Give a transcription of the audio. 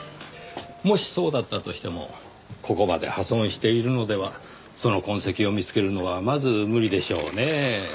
もしそうだったとしてもここまで破損しているのではその痕跡を見つけるのはまず無理でしょうねぇ。